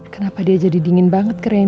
kenapa dia jadi dingin banget ke reina